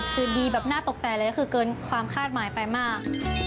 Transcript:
คือดีแบบน่าตกใจเลยก็คือเกินความคาดหมายไปมาก